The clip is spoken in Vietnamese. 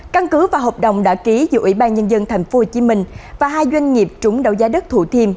căn cứ và hợp đồng đã ký giữa ủy ban nhân dân tp hcm và hai doanh nghiệp trúng đấu giá đất thủ thiêm